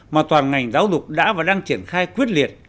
mà toàn ngành giáo dục đã và đang triển khai quyết liệt